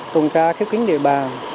tuần tra khiếp kiến địa bàn